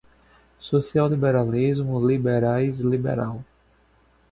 Social-liberalismo, liberais, liberal